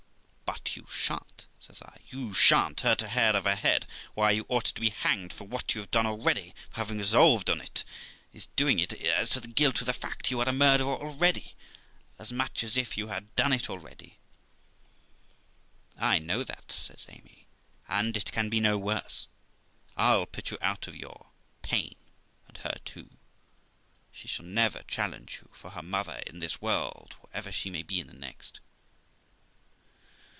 'But you sha'n't' says I; 'you sha'n't hurt a hair of her head ; why, you ought to be hanged for what you have done already, for having resolved on it is doing it; as to the guilt of the fact, you are a murderer already, as much as if you had done it already.' 'I know that', says Amy, 'and it can be no worse; I'll put you out of your pate, and her too? she shall never challenge you for her mother in this world, whatever she may in the next.'